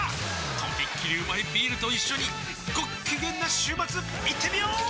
とびっきりうまいビールと一緒にごっきげんな週末いってみよー！